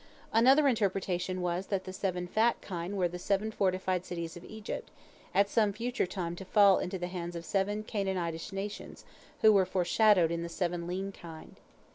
Another interpretation was that the seven fat kine were the seven fortified cities of Egypt, at some future time to fall into the hands of seven Canaanitish nations, who were foreshadowed in the seven lean kine.